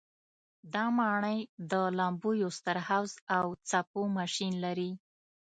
دا ماڼۍ د لامبو یو ستر حوض او څپو ماشین لري.